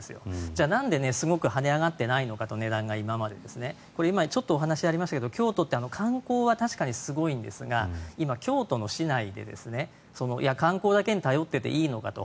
じゃあなんで今まですごく跳ね上がっていかったのかと今、話がありましたが京都って観光は確かにすごいんですが今、京都の市内で観光だけに頼っていていいのかと。